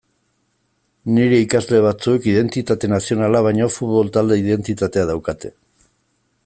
Nire ikasle batzuek identitate nazionala baino futbol-talde identitatea daukate.